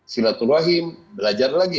silatul wahim belajar lagi